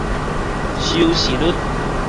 收視率